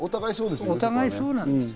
お互いそうなんですよ。